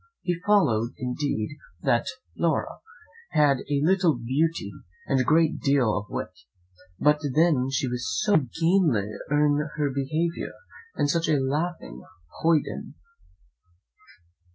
He allowed, indeed, that Flora had a little beauty, and a great deal of wit; but then she was so ungainly in her behaviour, and such a laughing hoyden!